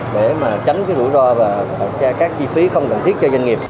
để mà tránh cái rủi ro và các chi phí không cần thiết cho doanh nghiệp